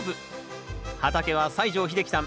畑は西城秀樹さん